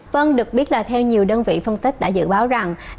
vâng được biết là theo nhiều đơn vị phân tích đã dự báo rằng